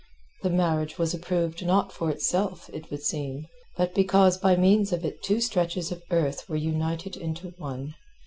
The marriage was approved not for itself, it would seem, but because by means of it two stretches of earth were united into one.